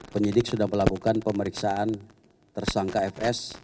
penyidik sudah melakukan pemeriksaan tersangka fs